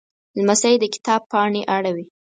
لمسی د کتاب پاڼې اړوي.